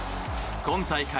今大会